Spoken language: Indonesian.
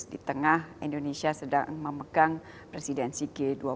di tengah indonesia sedang memegang presidensi g dua puluh